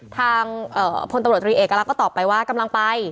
ทางพลตำรวจตรีเอกลักษณ์ก็ตอบไปว่ากำลังไป